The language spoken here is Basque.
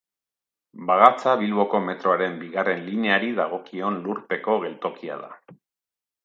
Bagatza Bilboko metroaren bigarren lineari dagokion lurpeko geltokia da.